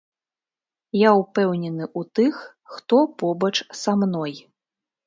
Я ўпэўнены ў тых, хто побач са мной.